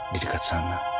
di dekat sana